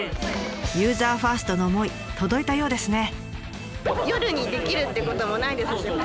ユーザーファーストの思い届いたようですね。